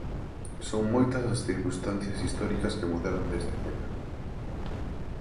Son moitas as circunstancias históricas que mudaron desde aquela.